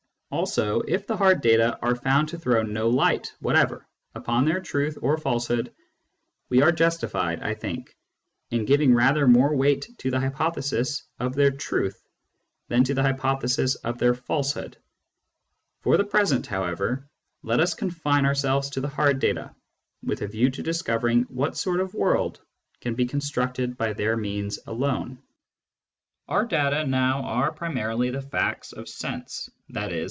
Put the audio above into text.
Also, if the hard data are found to throw no light whatever upon their truth or falsehood, we are justified, I think, in giving rather more weight to the hypothesis of their truth than to the hypothesis of their falsehood. For the present, however, let us confine ourselves to the hard Digitized by Google 72 SCIENTIFIC METHOD IN PHILOSOPHY data, with a view to discovering what sort of world can be constructed by their means alone. Our data now are primarily the facts of sense (i.e.